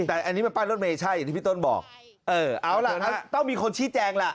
แต่อันนี้มันป้ายรถเมย์ใช่อย่างที่พี่ต้นบอกเออเอาล่ะต้องมีคนชี้แจงล่ะ